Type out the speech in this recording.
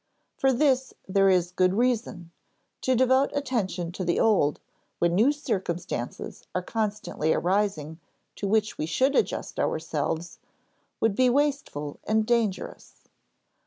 For this, there is good reason: to devote attention to the old, when new circumstances are constantly arising to which we should adjust ourselves, would be wasteful and dangerous.